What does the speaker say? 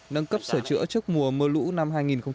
nâng cấp sửa chữa trước mùa mưa lũ năm hai nghìn hai mươi